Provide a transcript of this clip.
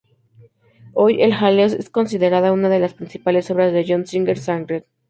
Hoy "El jaleo" es considerada una de las principales obras de John Singer Sargent.